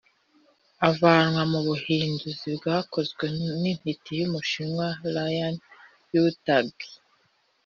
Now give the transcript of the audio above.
avanywe mu buhinduzi bwakozwe n’intiti y’umushinwa lin yutang